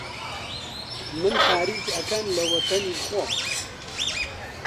من خارج ئەکەن لە وەتەنی خۆم!؟